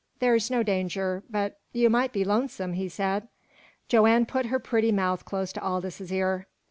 "There's no danger, but you might be lonesome," he said. Joanne put her pretty mouth close to Aldous' ear.